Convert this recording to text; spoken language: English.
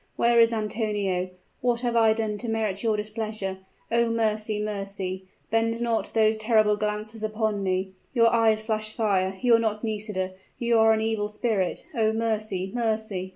Where is Antonio? What have I done to merit your displeasure? Oh, mercy! mercy! Bend not those terrible glances upon me! Your eyes flash fire! You are not Nisida you are an evil spirit! Oh, mercy! mercy!"